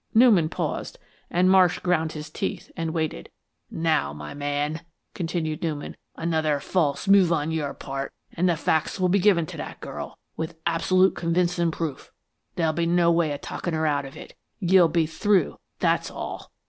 Newman paused, and Marsh ground his teeth and waited. "Now, my man," continued Newman, "another false move on your part and the facts will be given to that girl, with absolute convincin' proof. There'll be no way of talkin' her out of it. You'll be through that's all!"